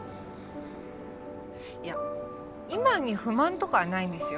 いや今に不満とかはないんですよ